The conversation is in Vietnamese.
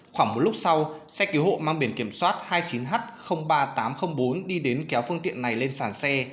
khoảng một lúc sau xe cứu hộ mang biển kiểm soát hai mươi chín h ba nghìn tám trăm linh bốn đi đến kéo phương tiện này lên sản xe